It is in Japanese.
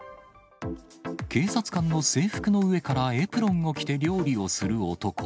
警察官の制服の上からエプロンを着て料理をする男。